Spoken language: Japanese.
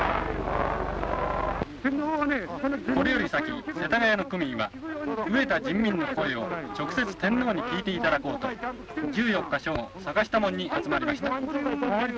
「これより先世田谷の区民は飢えた人民の声を直接天皇に聞いて頂こうと１４日正午坂下門に集まりました」。